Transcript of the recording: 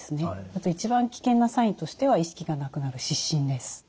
あと一番危険なサインとしては意識がなくなる失神です。